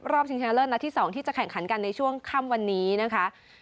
ชิงชนะเลิศนัดที่๒ที่จะแข่งขันกันในช่วงค่ำวันนี้นะคะ